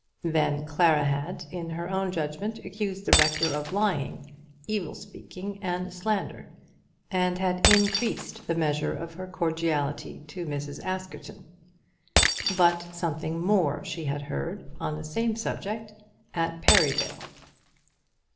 Then Clara had, in her own judgment, accused the rector of lying, evil speaking, and slandering, and had increased the measure of her cordiality to Mrs. Askerton. But something more she had heard on the same subject at Perivale.